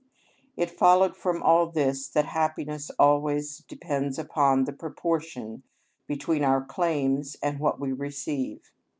It followed from all this that happiness always depends upon the proportion between our claims and what we receive.